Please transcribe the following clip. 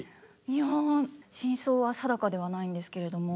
いや真相は定かではないんですけれども。